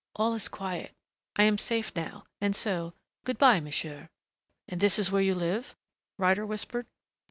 "All is quiet.... I am safe, now.... And so good bye, monsieur." "And this is where you live?" Ryder whispered.